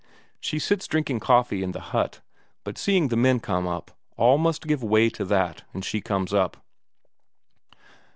She sits drinking coffee in the hut, but seeing the men come up, all must give way to that, and she comes out.